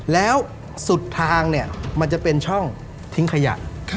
แล้วสุดทางเนี่ยมันจะเป็นช่องทิ้งขยะ